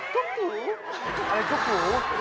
กุ้กกู่